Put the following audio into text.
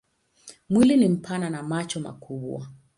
Mwili ni mpana na macho makubwa.